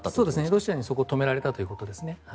ロシアに、そこを止められたということですね。